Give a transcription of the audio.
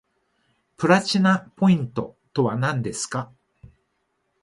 プラチナポイントとはなんですか